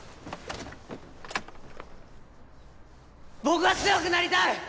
僕は強くなりたい！